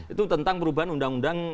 itu tentang perubahan undang undang